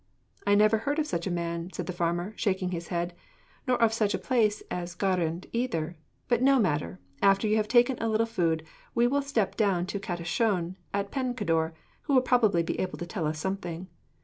'I never heard of such a man,' said the farmer, shaking his head, 'nor of such a place as Glanrhyd, either: but no matter, after you have taken a little food we will step down to Catti Shon, at Pencader, who will probably be able to tell us something.'